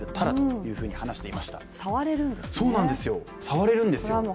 触れるんですね。